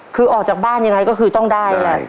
คือออกจากบ้านยังไงก็คือต้องได้แหละ